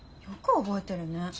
よく覚えてるね。